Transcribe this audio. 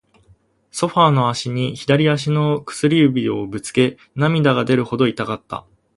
ソファーの脚に、左足の薬指をぶつけ、涙が出るほど痛かった。